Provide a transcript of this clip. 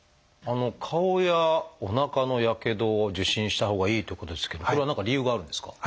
顔やおなかのやけど受診したほうがいいということですけどこれは何か理由があるんですか？